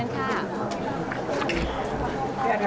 พร้อมแล้วเลยนะคะ